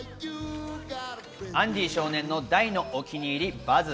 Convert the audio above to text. アンディ少年の大のお気に入りバズ。